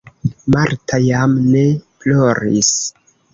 Marta jam ne ploris.